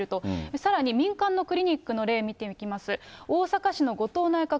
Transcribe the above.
さらに民間のクリニックの例見ていきます。